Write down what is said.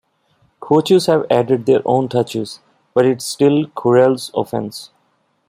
Coaches have added their own touches, but it's still Coryell's offense.